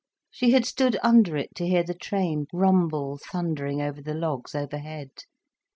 She had stood under it to hear the train rumble thundering over the logs overhead.